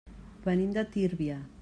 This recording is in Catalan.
Venim de Tírvia.